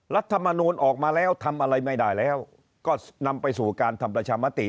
รัฐมนูลออกมาแล้วทำอะไรไม่ได้แล้วก็นำไปสู่การทำประชามติ